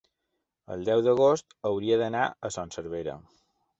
El deu d'agost hauria d'anar a Son Servera.